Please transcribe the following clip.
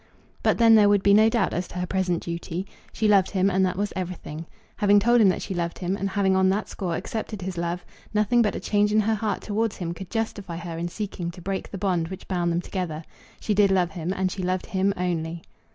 But then there would be no doubt as to her present duty. She loved him, and that was everything. Having told him that she loved him, and having on that score accepted his love, nothing but a change in her heart towards him could justify her in seeking to break the bond which bound them together. She did love him, and she loved him only.